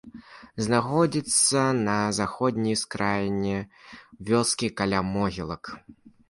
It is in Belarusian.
Знаходзіцца на заходняй ускраіне вёскі, каля могілак.